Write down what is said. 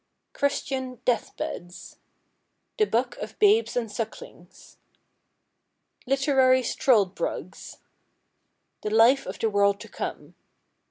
Christian Death beds. The Book of Babes and Sucklings. Literary Struldbrugs. The Life of the World to Come.